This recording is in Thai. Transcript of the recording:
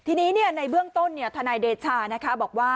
ทีนี้ในเบื้องต้นทนายเดชานะคะ